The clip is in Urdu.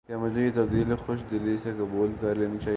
کیا مجھے یہ تبدیلی خوش دلی سے قبول کر لینی چاہیے؟